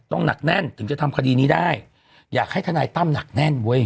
หนักแน่นถึงจะทำคดีนี้ได้อยากให้ทนายตั้มหนักแน่นเว้ย